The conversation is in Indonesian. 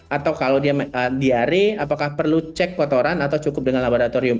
atau kalau dia diare apakah perlu cek kotoran atau cukup dengan laboratorium